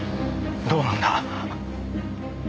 どうなんだ？